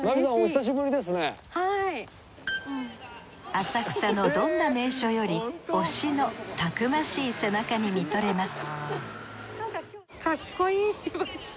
浅草のどんな名所より推しのたくましい背中に見とれます